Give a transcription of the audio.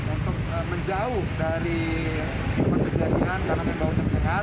untuk menjauh dari kejadian karena bau menyengat